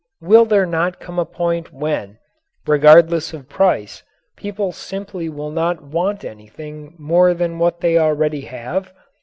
Will there not come a point when, regardless of price, people simply will not want anything more than what they already have?